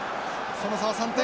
その差は３点。